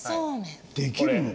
できるの？